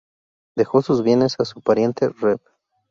Dejó sus bienes a su pariente Rev.